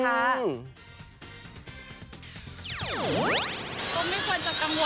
ก็ไม่ควรจะกังวลอะไรไปเองก่อนหรอกเนาะค่ะ